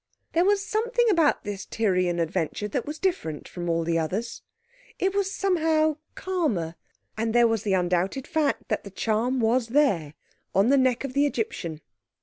There was something about this Tyrian adventure that was different from all the others. It was, somehow, calmer. And there was the undoubted fact that the charm was there on the neck of the Egyptian.